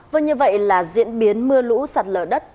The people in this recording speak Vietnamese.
vâng như vậy là diễn biến mưa lũ sạt lở đất